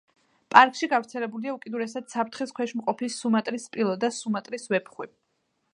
პარკში გავრცელებულია უკიდურესად საფრთხის ქვეშ მყოფი სუმატრის სპილო და სუმატრის ვეფხვი.